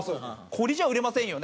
これじゃ売れませんよね。